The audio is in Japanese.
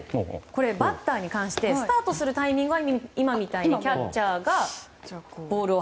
バッターに関してスタートするタイミングはキャッチャーがボールを。